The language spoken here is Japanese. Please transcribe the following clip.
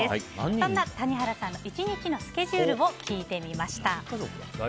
そんな谷原さんの１日のスケジュールを聞いてみました。